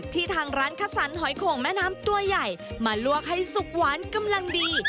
ทางร้านคัดสรรหอยโขงแม่น้ำตัวใหญ่มาลวกให้สุกหวานกำลังดี